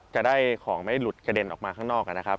จะได้ของไม่หลุดกระเด็นออกมาข้างนอกนะครับ